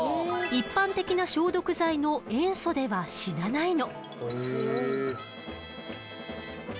一般的な消毒剤の塩素では死なないの。